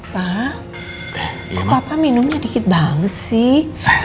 pak kok apa minumnya dikit banget sih